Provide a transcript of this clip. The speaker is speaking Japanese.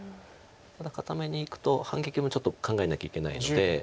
ただ固めにいくと反撃もちょっと考えなきゃいけないので。